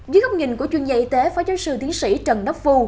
dưới góc nhìn của chuyên gia y tế phó giáo sư tiến sĩ trần đắc phu